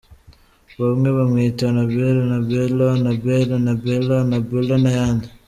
Bamwe bamwita Anabel, Annabella, Annabelle, Anabela Anabella n’ayandi.